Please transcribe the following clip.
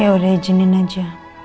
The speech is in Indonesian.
yaudah izinin aja